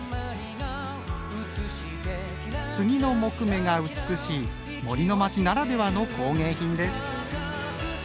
スギの木目が美しい森の町ならではの工芸品です。